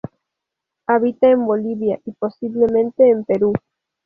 Habita en Bolivia y posiblemente en Perú.